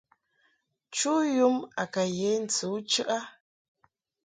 Chu yum a ka ye ntɨ u chəʼ a.